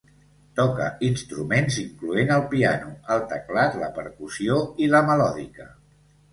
Toca instruments incloent el piano, el teclat, la percussió i la melòdica.